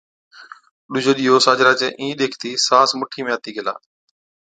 ڏُوجي ڏِيئو ساجھرا چَي اِين ڏيکتِي ساس مُٺِي ۾ آتِي گيلا،